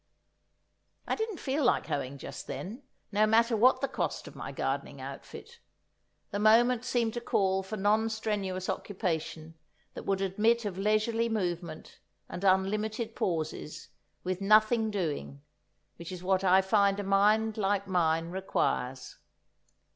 I didn't feel like hoeing just then, no matter what the cost of my gardening outfit. The moment seemed to call for non strenuous occupation that would admit of leisurely movement and unlimited pauses with nothing doing—which is what I find a mind like mine requires.